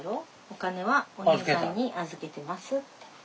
お金はおにいさんに預けてますって。